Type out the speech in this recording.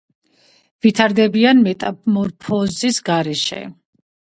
ვითარდებიან მეტამორფოზის გარეშე.